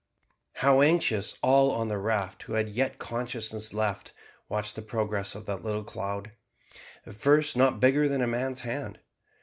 How anxiously all on the raft, who had yet consciousness left, watched the progress of that little cloud, at first not bigger than a man's hand.